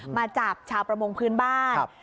มาจับชาวประมงพื้นบ้าน